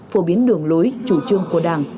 phổ biến đường lối chủ trương của đảng